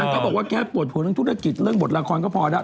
ก็บอกว่าแค่ปวดหัวเรื่องธุรกิจเรื่องบทละครก็พอแล้ว